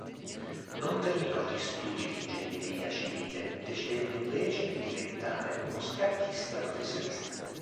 Non terminò gli studi di Ingegneria civile, decidendo invece di diventare uno scacchista professionista.